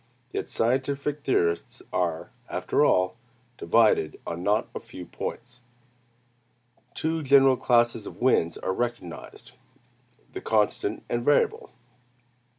Yet scientific theorists are, after all, divided on not a few points. Two general classes of winds are recognized: the constant, and variable.